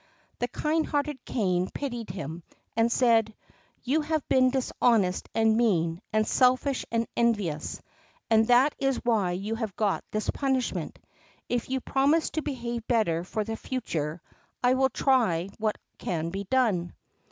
The kind hearted Kané pitied him, and said: "You have been dishonest and mean, and selfish and envious, and that is why you have got this punishment. If you promise to behave better for the future, I will try what can be done."